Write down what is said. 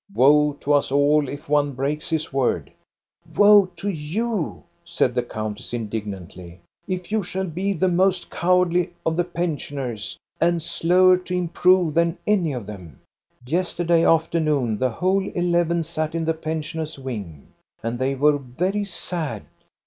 Woe to us all if one breaks his word !" "Woe to you," said the countess, indignantly, "if you shall be the most cowardly of the pensioners, and slower to improve than any of them. Yesterday afternoon the whole eleven sat in the pensioners' wing, and they were very sad.